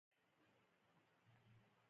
د ممیزو پاکولو فابریکې شته؟